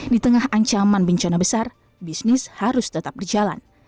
di tengah ancaman bencana besar bisnis harus tetap berjalan